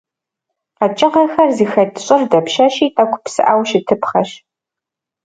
Къэкӏыгъэхэр зыхэт щӏыр дапщэщи тӏэкӏу псыӏэу щытыпхъэщ.